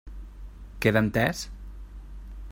Queda entès?